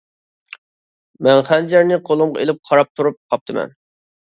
مەن خەنجەرنى قولۇمغا ئېلىپ قاراپ تۇرۇپ قاپتىمەن.